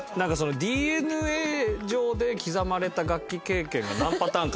ＤＮＡ上で刻まれた楽器経験が何パターンかあるかも。